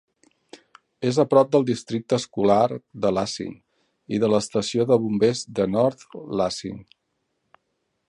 És a prop del Districte Escolar de Lansing, i de l'estació de bombers de North Lansing.